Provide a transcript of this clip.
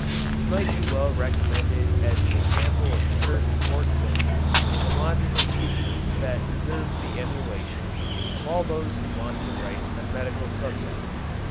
It might well be recommended as an example of terse forcefulness and logical sequence that deserves the emulation of all those who want to write on medical subjects.